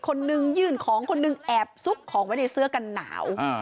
คนนึงยื่นของคนหนึ่งแอบซุกของไว้ในเสื้อกันหนาว